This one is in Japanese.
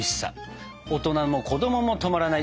大人も子供も止まらない。